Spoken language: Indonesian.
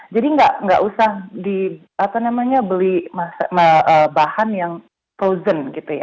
jadi tidak usah beli bahan yang frozen